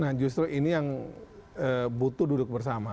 nah justru ini yang butuh duduk bersama